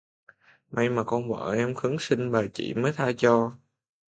May mà con vợ em khấn xin bà chị mới tha cho